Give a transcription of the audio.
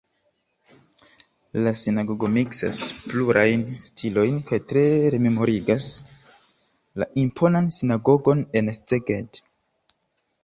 La sinagogo miksas plurajn stilojn kaj tre rememorigas la imponan sinagogon en Szeged.